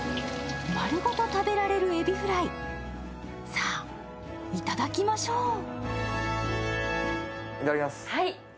まるごと食べられるえびフライ、さあ、いただきましょう。